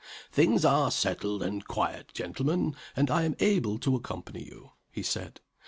"Things are settled and quiet, gentlemen; and I am able to accompany you," he said.